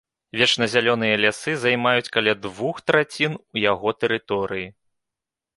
Вечназялёныя лясы займаюць каля двух трацін яго тэрыторыі.